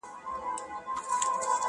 په میوند پسې دې خان و مان را ووت ،